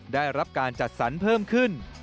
ได้รับการจัดสรรเพิ่มขึ้น